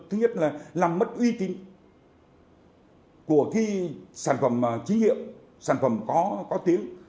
thứ nhất là làm mất uy tín của sản phẩm trí hiệu sản phẩm có tiếng